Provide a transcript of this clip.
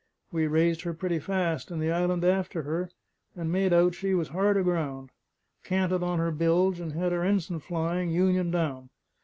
We raised her pretty fast, and the island after her; and made out she was hard aground, canted on her bilge, and had her ens'n flying, union down.